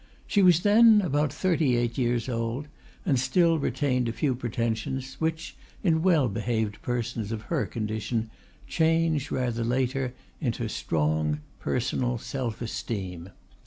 She was then about thirty eight years old, and still retained a few pretensions, which, in well behaved persons of her condition, change, rather later, into strong personal self esteem.